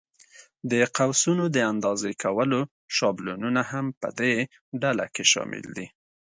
د قوسونو د اندازې کولو شابلونونه هم په دې ډله کې شامل دي.